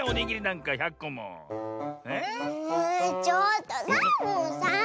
ちょっとサボさん！